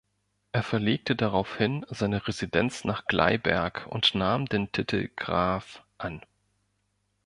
Er verlegte daraufhin seine Residenz nach Gleiberg und nahm den Titel „Graf“ an.